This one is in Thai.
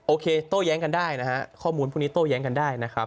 โอเคโต้แย้งกันได้ข้อมูลพวกนี้โต้แย้งกันได้